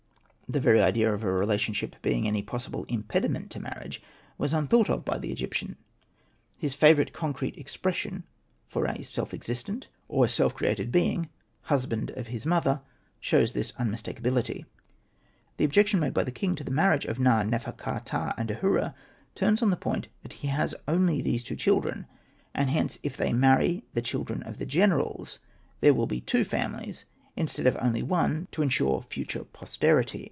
The very idea of relationship being any possible impediment to marriage was un thought of by the Egyptian ; his favourite concrete expression for a self existent or self Hosted by Google 126 SETNA AND THE MAGIC BOOK created being —" husband of his mother "— shows this unmistakably. The objection made by the king to the marriage of Na.nefer.ka.ptah and Ahura turns on the point that he has only these two children, and hence, if they marry the children of the generals, there will be two families instead of only one to ensure future posterity.